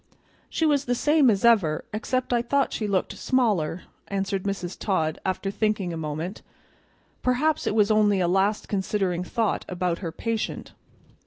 "She was the same as ever, except I thought she looked smaller," answered Mrs. Todd after thinking a moment; perhaps it was only a last considering thought about her patient.